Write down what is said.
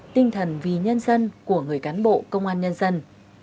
tinh thần vì nhân dân của người cán bộ công an nhân dân